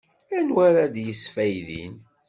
Anwa ara d-yesfaydin?